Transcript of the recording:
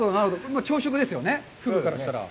朝食ですよね、フグからしたら。